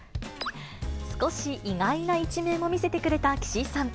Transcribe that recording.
少し意外な一面も見せてくれた岸井さん。